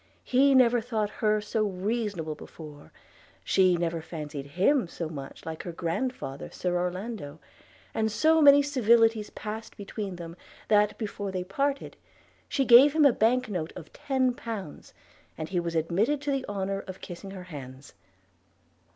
He never thought her so reasonable before: she never fancied him so much like her grandfather Sir Orlando; and so many civilities passed between them, that, before they parted, she gave him a bank note of ten pounds, and he was admitted to the honour of kissing her hands.